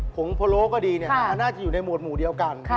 ผงพรโล่ก็ดีอันหน้าวงัดอยู่ในหมวดหมวดเดียวกัน